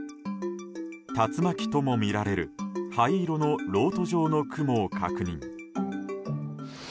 竜巻ともみられる灰色のろうと状の雲を確認。